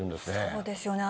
そうですよね。